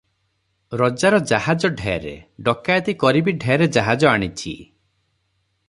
ରଜାର ଜାହାଜ ଢେର; ଡକାଏତି କରି ବି ଢେର ଜାହାଜ ଆଣିଛି ।